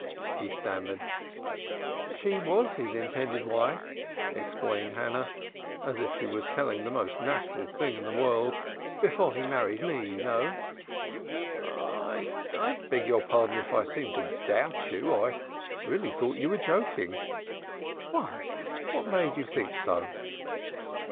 he stammered. "She was his intended wife," explained Hannah as if she were telling the most natural thing in the world. "Before he married me, you know." "I I beg your pardon if I seemed to doubt you. I really thought you were joking." "Why, what made you think so?"